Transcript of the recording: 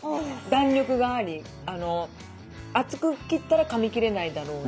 弾力があり厚く切ったらかみきれないだろうな。